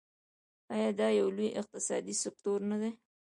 آیا دا یو لوی اقتصادي سکتور نه دی؟